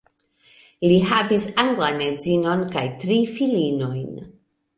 Li havis anglan edzinon kaj tri filinojn.